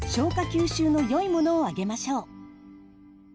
吸収のよいものをあげましょう。